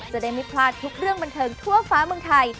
จะได้ไม่พลาดทุกเรื่องบันเทิงทั่วฟ้าเมืองไทย